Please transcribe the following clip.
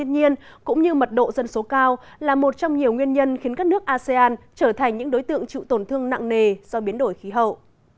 nền kinh tế canh tác nông ngư nghiệp cũng như mật độ dân số cao là một trong nhiều nguyên nhân khiến các nước asean trở thành những đối tượng chịu tổn thương nặng nề do biến đổi khí hậu